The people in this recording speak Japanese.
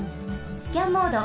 スキャンモード。